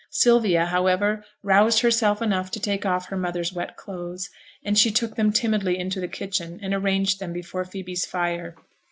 Sylvia, however, roused herself enough to take off her mother's wet clothes, and she took them timidly into the kitchen and arranged them before Phoebe's fire.